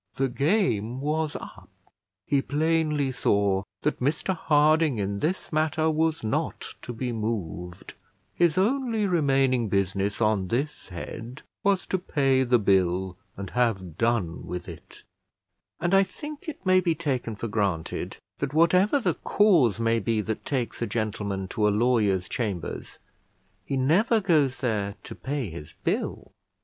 The game was up; he plainly saw that Mr Harding in this matter was not to be moved; his only remaining business on this head was to pay the bill and have done with it; and I think it may be taken for granted, that whatever the cause may be that takes a gentleman to a lawyer's chambers, he never goes there to pay his bill.